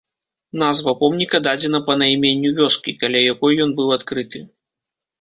Назва помніка дадзена па найменню вёскі, каля якой ён быў адкрыты.